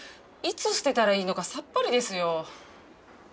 いつ捨てたらいいのかさっぱりですよ。